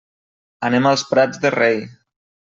Anem als Prats de Rei.